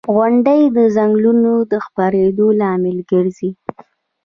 • غونډۍ د ځنګلونو د خپرېدو لامل ګرځي.